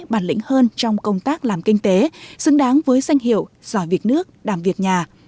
bản lĩnh hơn trong công tác làm kinh tế xứng đáng với danh hiệu giỏi việc nước đàm việc nhà